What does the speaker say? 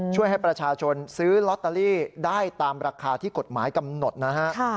ช่วยให้ประชาชนซื้อลอตเตอรี่ได้ตามราคาที่กฎหมายกำหนดนะฮะ